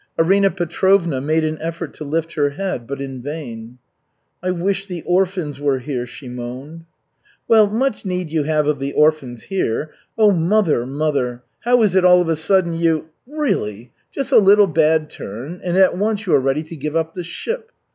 Arina Petrovna made an effort to lift her head, but in vain. "I wish the orphans were here," she moaned. "Well, much need you have of the orphans here. Oh, mother, mother! How is it all of a sudden you really! Just a little bad turn, and at once you are ready to give up the ship.